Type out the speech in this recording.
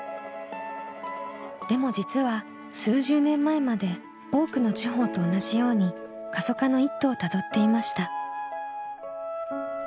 でも実は数十年前まで多くの地方と同じように過疎化の一途をたどっていました。